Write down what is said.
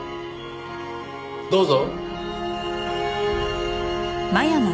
どうぞ。